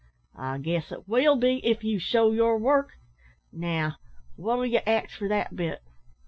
"I guess it will be, if you shew yer work. Now, what'll ye ax for that bit!"